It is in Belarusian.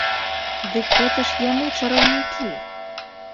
Дык гэта ж яны чараўнікі!